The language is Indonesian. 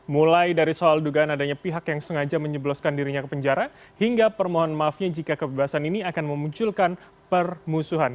mulai dari soal dugaan adanya pihak yang sengaja menyebloskan dirinya ke penjara hingga permohon maafnya jika kebebasan ini akan memunculkan permusuhan